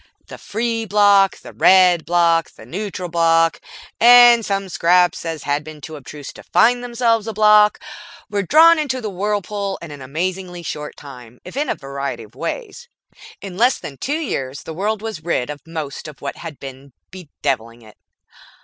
The Free Bloc, the Red Bloc, the Neutral Bloc and such scraps as had been too obtuse to find themselves a Bloc were drawn into the whirlpool in an amazingly short time, if in a variety of ways. In less than two years the world was rid of most of what had been bedeviling it.